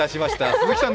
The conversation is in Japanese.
鈴木さん？